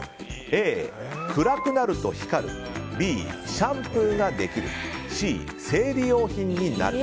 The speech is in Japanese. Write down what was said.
Ａ、暗くなると光るＢ、シャンプーができるＣ、生理用品になる。